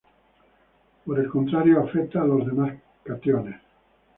Por el contrario, afecta a los demás cationes.